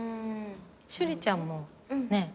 趣里ちゃんもねっ？